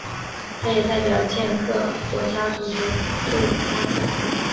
他也代表捷克国家足球队参赛。